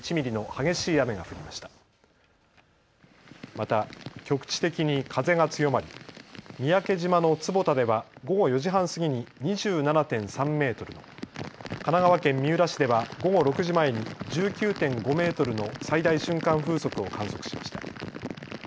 また局地的に風が強まり三宅島の坪田では午後４時半過ぎに２７．３メートルの、神奈川県三浦市では午後６時前に１９．５メートルの最大瞬間風速を観測しました。